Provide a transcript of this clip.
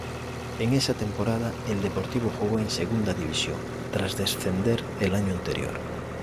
En esa temporada el Deportivo jugó en Segunda División, tras descender el año anterior.